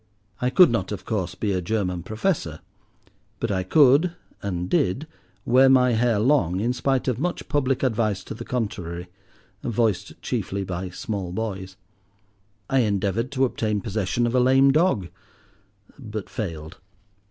I could not of course be a German professor, but I could, and did, wear my hair long in spite of much public advice to the contrary, voiced chiefly by small boys. I endeavoured to obtain possession of a lame dog, but failed.